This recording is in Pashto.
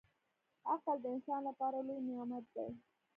• عقل د انسان لپاره لوی نعمت دی.